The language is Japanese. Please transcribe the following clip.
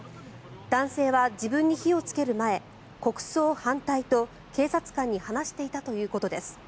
男性は自分に火をつける前国葬反対と警察官に話していたということです。